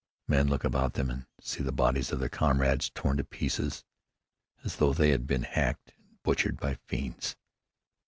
Men look about them and see the bodies of their comrades torn to pieces as though they had been hacked and butchered by fiends.